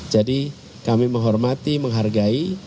kami menghormati menghargai